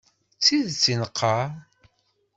D tidet i d-neqqar.